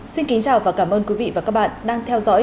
xin kính chào và cảm ơn quý vị và các bạn đang theo dõi